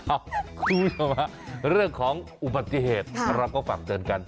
อ้าวรู้ใช่ไหมเรื่องของอุบัติเหตุเราก็ฝากเจอนกัน